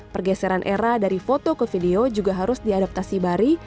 pergeseran era dari foto ke video juga harus diadaptasi bari